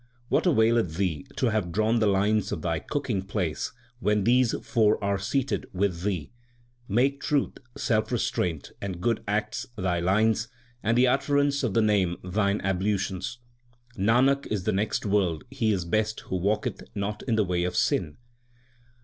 What availeth thee to have drawn the lines of thy cooking place when these four are seated with thee ? Make truth, self restraint, and good acts thy lines, and the utterance of the Name thine ablutions. Nanak, in the next world he is best who walketh not in the way of sin.